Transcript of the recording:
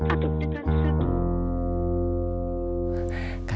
atau tekan satu